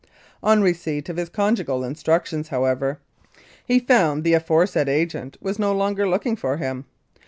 On receipt of his conjugal instructions, however, he found that the aforesaid agent was no longer looking for him.